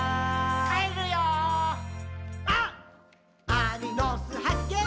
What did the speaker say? アリの巣はっけん